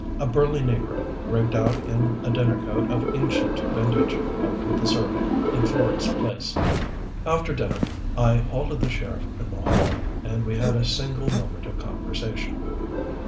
A burly negro, rigged out in a dinner coat of ancient vintage, helped with the serving in Florey's place. After dinner I halted the sheriff in the hall, and we had a single moment of conversation.